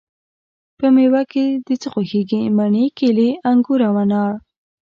په میوه کی د څه خوښیږی؟ مڼې، کیلې، انګور او انار